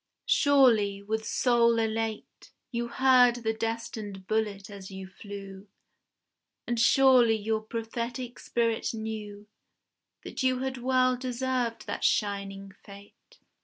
Surely with soul elate, You heard the destined bullet as you flew, And surely your prophetic spirit knew That you had well deserved that shining fate.